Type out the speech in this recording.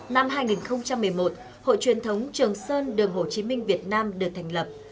năm hai nghìn một mươi một hội truyền thống trường sơn đường hồ chí minh việt nam được thành lập